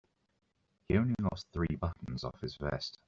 He only lost three buttons off his vest.